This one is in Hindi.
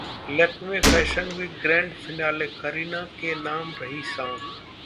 Lakme fashion week grand finale: Kareena के नाम रही शाम